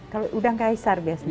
kalau udang kaisar biasanya